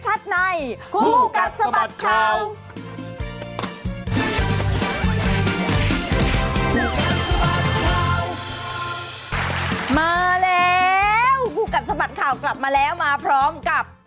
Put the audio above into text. คู่กัดสมัติข่าวคู่กัดสมัติข่าวมาแล้วคู่กัดสมัติข่าวกลับมาแล้วมาพร้อมกับ